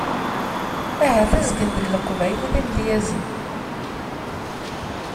Ahat azgen deg Leqbayel d imedyazen.